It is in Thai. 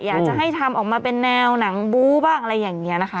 อยากจะให้ทำออกมาเป็นแนวหนังบู้บ้างอะไรอย่างนี้นะคะ